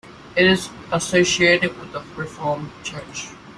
It is associated with the Reformed Church.